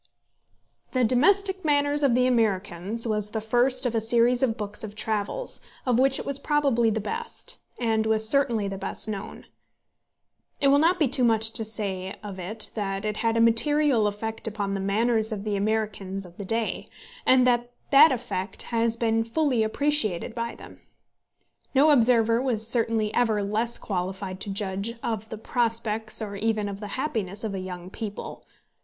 The Domestic Manners of the Americans was the first of a series of books of travels, of which it was probably the best, and was certainly the best known. It will not be too much to say of it that it had a material effect upon the manners of the Americans of the day, and that that effect has been fully appreciated by them. No observer was certainly ever less qualified to judge of the prospects or even of the happiness of a young people.